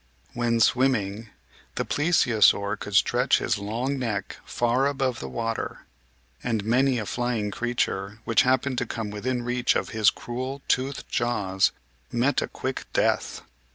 When swimming, the Plesiosaur could stretch his long neck far above the water; and many a little flying creature which happened to come within reach of his cruel, toothed jaws met a quick death.